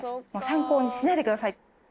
参考にしないでください。